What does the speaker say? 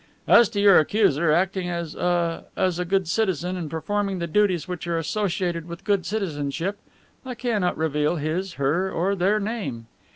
As to your accuser, acting as ah as a good citizen and performing the duties which are associated with good citizenship, I cannot reveal his, her, or their name."